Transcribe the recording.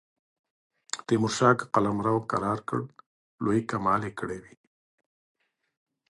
تیمورشاه که قلمرو کرار کړ لوی کمال کړی وي.